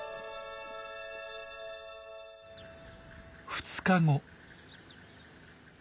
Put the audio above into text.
２日後。